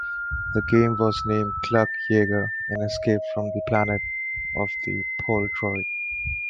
The game was named "Cluck Yegger in Escape From The Planet of The Poultroid".